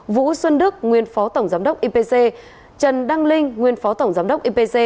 vũ xuân đức nguyên phó tổng giám đốc ipc trần đăng linh nguyên phó tổng giám đốc ipc